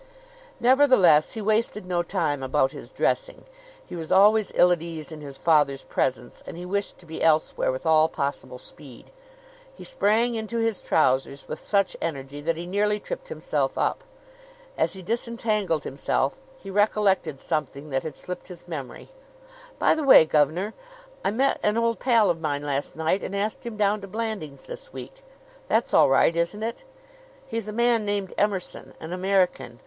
Nevertheless, he wasted no time about his dressing. He was always ill at ease in his father's presence and he wished to be elsewhere with all possible speed. He sprang into his trousers with such energy that he nearly tripped himself up. As he disentangled himself he recollected something that had slipped his memory. "By the way, gov'nor, I met an old pal of mine last night and asked him down to Blandings this week. That's all right, isn't it? He's a man named Emerson, an American.